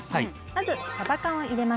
まずさば缶を入れます。